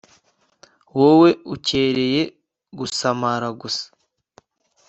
wowe ukereye gusamara gusa